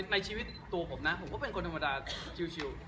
ในชีวิตตัวผมนะผมก็เป็นคนธรรมดาชิว